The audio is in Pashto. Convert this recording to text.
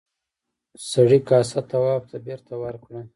سړي کاسه تواب ته بېرته ورکړه.